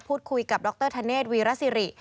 พูดคุยกับดรธเนธวีรสิริ